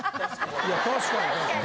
いや確かに。